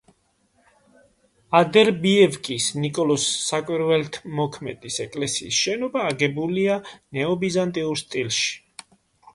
ადერბიევკის ნიკოლოზ საკვირველთმოქმედის ეკლესიის შენობა აგებულია ნეობიზანტიურ სტილში.